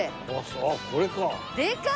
あっこれか！